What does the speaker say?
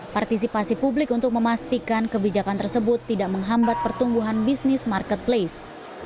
partisipasi publik untuk memastikan kebijakan tersebut tidak menghambat pertumbuhan bisnis marketplace